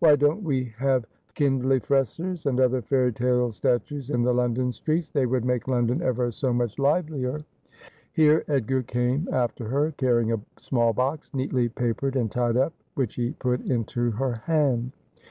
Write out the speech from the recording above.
Why don't we have Kindlifressers and other fairy tale statues in the London streets ? They would make London ever so much livelier.' Here Edgar came after her, carrying a small box neatly papered and tied up, which he put into her hand.